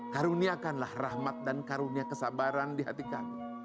karuniakanlah rahmat dan karunia kesabaran di hati kami